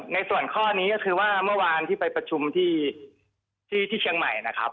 ในส่วนข้อนี้ก็คือว่าเมื่อวานที่ไปประชุมที่เชียงใหม่นะครับ